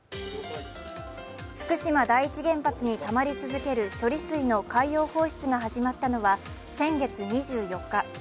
福島第一原発にたまり続ける処理水の海洋放出が始まったのは先月２４日。